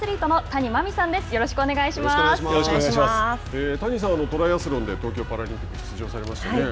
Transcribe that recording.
谷さんはトライアスロンで東京パラリンピックに出場されましたね。